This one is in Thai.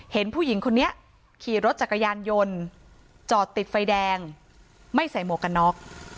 เห็นผู้หญิงคนนี้ขี่รถจักรยานยนต์จอดติดไฟแดงไม่ใส่หมวกกันน็อก